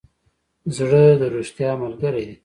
زړه د ریښتیا ملګری دی.